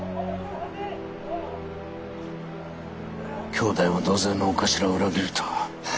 兄弟も同然のお頭を裏切るとは。